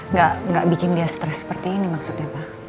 nggak bikin dia stres seperti ini maksudnya pak